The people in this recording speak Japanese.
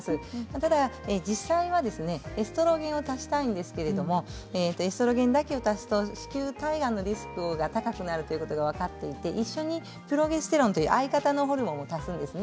ただ実際はエストロゲンを足したいんですけれどもエストロゲンだけを足すと子宮体がんのリスクが高くなることが分かっていて一緒にプロゲステロンという相方のホルモンを足すんです。